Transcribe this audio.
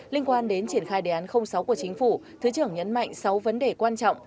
liên quan đến triển khai đề án sáu của chính phủ thứ trưởng nhấn mạnh sáu vấn đề quan trọng